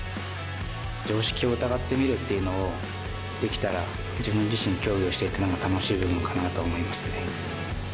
常識を疑ってみるっていうのをできたら、自分自身、競技をしていて、なんか楽しい部分かなと思いますね。